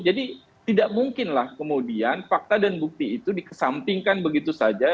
jadi tidak mungkinlah kemudian fakta dan bukti itu dikesampingkan begitu saja